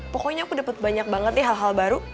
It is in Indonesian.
pokoknya aku dapat banyak banget nih hal hal baru